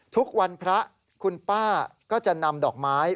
ทุกวันพระคุณป้าก็จะนำดอกไม้